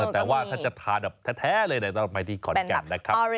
แต่ว่าถ้าจะทานแท้เลยต้องไปที่ขอนแก่ม